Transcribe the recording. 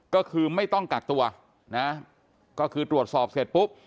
ก็คือไม่ต้องกักตัวนะก็คือตรวจสอบเสร็จปุ๊บ